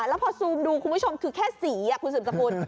แล้วพอซูมดูคุณผู้ชมคือแค่สีคุณสืบสกุล